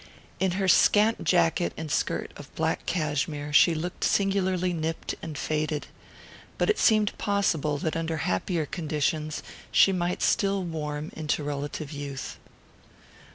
In her scant jacket and skirt of black cashmere she looked singularly nipped and faded; but it seemed possible that under happier conditions she might still warm into relative youth.